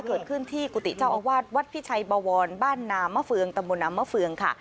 เกิดขึ้นที่กุฏิเจ้าอาวาสวัดพิชัยบาวรบ้านนามเมาะเฟือง